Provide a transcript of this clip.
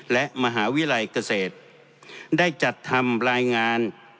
และมหาวิทยาลัยเกษตรได้จัดทำรายงาน